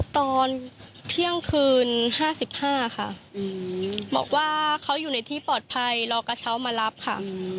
ตอนเที่ยงคืน๕๕ค่ะบอกว่าเขาอยู่ในที่ปลอดภัยรอกระเช้ามารับค่ะ